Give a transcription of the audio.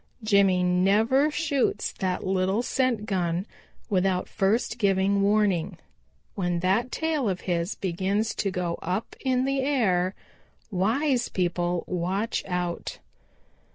Jimmy never shoots that little scent gun without first giving warning. When that tail of his begins to go up in the air, wise people watch out.